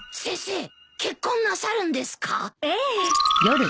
結婚なさるんですか？